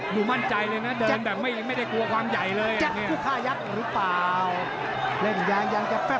หนูมั่นใจเลยนะเดินแบบไม่ได้กลัวความใยเลย